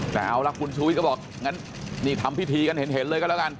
แต่เอาล่ะคุณชูวิทย์ก็บอกงั้นนี่ทำพิธีกันเห็นเลยก็แล้วกัน